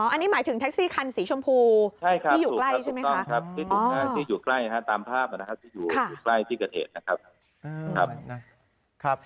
อันนี้หมายถึงแท็กซี่คันสีชมพูที่อยู่ใกล้ใช่ไหมครับ